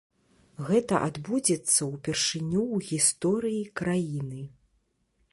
Гэта адбудзецца ўпершыню ў гісторыі краіны.